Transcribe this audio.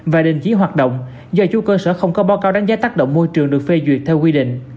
và đình chỉ hoạt động do chú cơ sở không có báo cáo đánh giá tác động môi trường được phê duyệt theo quy định